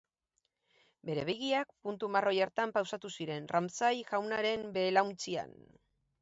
Bere begiak puntu marroi hartan pausatu ziren, Ramsay jaunaren belauntzian.